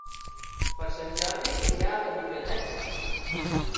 Per Sant Jordi irà a la biblioteca.